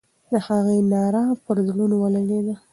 د هغې ناره پر زړونو ولګېده.